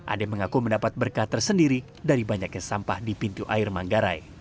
ade mengaku mendapat berkah tersendiri dari banyaknya sampah di pintu air manggarai